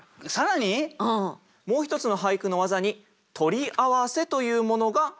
もう一つの俳句の技に取り合わせというものがあります。